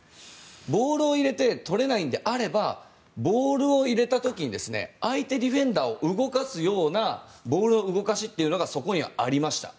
ボールを入れて取れないんであればボールを入れた時に相手ディフェンダーを動かすようなボールの動かしというのがそこにはありました。